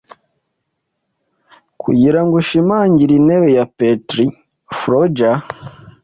Kugirango ushimangire intebe ya Petri Folger